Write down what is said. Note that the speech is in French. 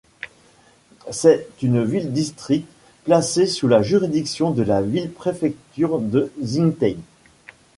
C'est une ville-district placée sous la juridiction de la ville-préfecture de Xingtai.